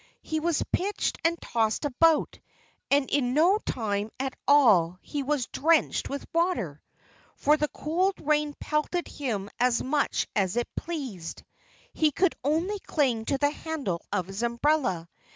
He was pitched and tossed about; and in no time at all he was drenched with water for the cold rain pelted him as much as it pleased. He could only cling to the handle of his umbrella.